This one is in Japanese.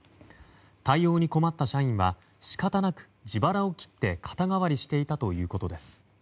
対応に困った社員は仕方なく自腹を切って肩代わりしていたということです。